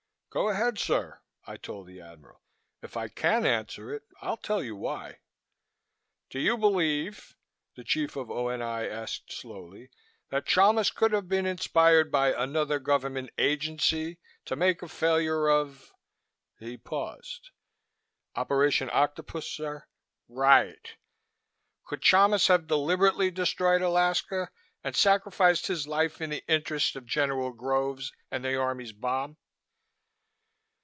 "Go ahead, sir!" I told the Admiral, "if I can't answer it I'll tell you why." "Do you believe," the Chief of O.N.I. asked slowly, "that Chalmis could have been inspired by Another Government Agency to make a failure of " he paused. "Operation Octopus, sir?" "Right! Could Chalmis have deliberately destroyed Alaska and sacrificed his life in the interest of General Groves and the Army's bomb?"